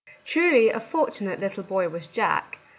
Truly a fortu nate little boy was Jack